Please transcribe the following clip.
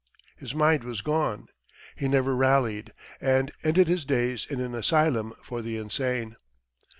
His mind was gone; he never rallied, and ended his days in an asylum for the insane.